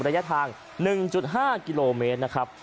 ระยะทาง๑๕กิโลเมตรนะครับ